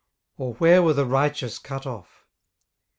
or where were the righteous cut off?